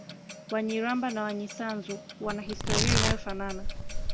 Wanyiramba na Wanyisanzu wana historia inayofanana